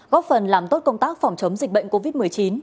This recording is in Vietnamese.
góp phần làm tốt công tác phòng chống dịch bệnh covid một mươi chín